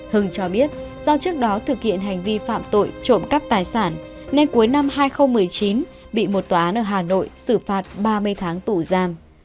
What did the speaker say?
hưng cho biết do trước đó thực hiện hành vi phạm tội trộm cắp tài sản nên cuối năm hai nghìn một mươi chín bị một tòa án ở hà nội xử phạt ba mươi tháng tù giam